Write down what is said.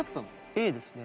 Ａですよね